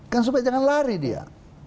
kan supaya jangan lari dia